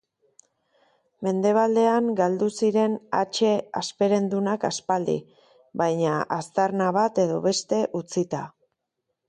Mendebaldean galdu ziren hatxea hasperendunak aspaldi, baina aztarna bat edo beste utzita.